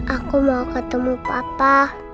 aku mau ketemu papa